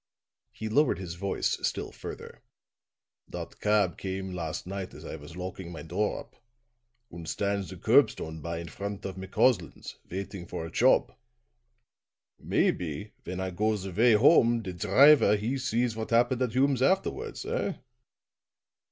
He lowered his voice still further. "Dot cab came last night as I was locking my door up, und stands the curbstone by in front of McCausland's, waiting for a chob. Maybe when I goes away home der driver he sees what happened at Hume's afterwards, eh?"